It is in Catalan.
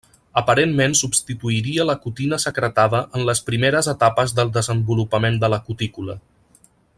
Aparentment substituiria la cutina secretada en les primeres etapes del desenvolupament de la cutícula.